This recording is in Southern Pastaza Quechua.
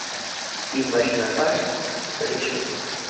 Imashnapas rishun.